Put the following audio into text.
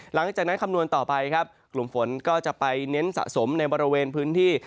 คำนวณต่อไปครับกลุ่มฝนก็จะไปเน้นสะสมในบริเวณพื้นที่